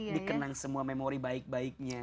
dikenang semua memori baik baiknya